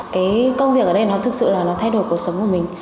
cái công việc ở đây nó thực sự là nó thay đổi cuộc sống của mình